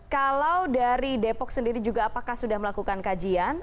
kalau dari depok sendiri juga apakah sudah melakukan kajian